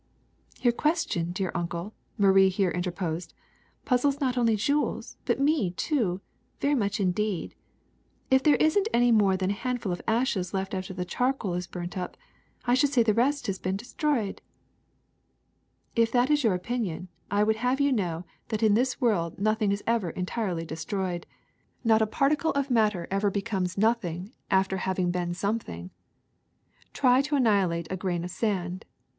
Your question, dear Uncle," Marie here inter posed, ''puzzles not only Jules, but me too, very much indeed. If there is n't any more than a hand ful of ashes left after the charcoal is burnt up, I should say the rest has been destroyed. '' ''If that is your opinion I would have you know that in this world nothing is 'ever entirely destroyed, not a particle of matter ever becomes nothing after 124 COMBUSTION 1^5 having been something. Try to annihilate a grain of sand.